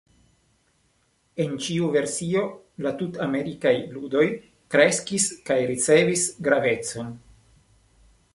En ĉiu versio, la Tut-Amerikaj Ludoj kreskis kaj ricevis gravecon.